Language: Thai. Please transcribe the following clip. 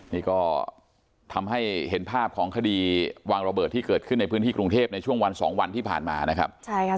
นี่ก็ทำให้เห็นภาพของคดีวางระเบิดที่เกิดขึ้นในพื้นที่กรุงเทพในช่วงวันสองวันที่ผ่านมานะครับใช่ค่ะ